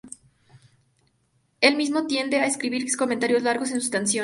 Él mismo tiende a escribir comentarios largos en sus canciones.